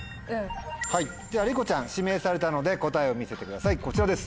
はいではりこちゃん指名されたので答えを見せてくださいこちらです。